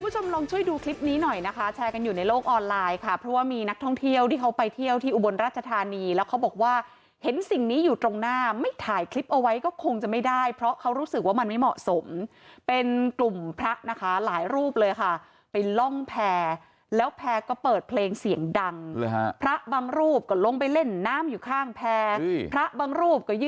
คุณผู้ชมลองช่วยดูคลิปนี้หน่อยนะคะแชร์กันอยู่ในโลกออนไลน์ค่ะเพราะว่ามีนักท่องเที่ยวที่เขาไปเที่ยวที่อุบลราชธานีแล้วเขาบอกว่าเห็นสิ่งนี้อยู่ตรงหน้าไม่ถ่ายคลิปเอาไว้ก็คงจะไม่ได้เพราะเขารู้สึกว่ามันไม่เหมาะสมเป็นกลุ่มพระนะคะหลายรูปเลยค่ะไปล่องแพร่แล้วแพร่ก็เปิดเพลงเสียงดังพระบางรูปก็ลงไปเล่นน้ำอยู่ข้างแพร่พระบางรูปก็ยื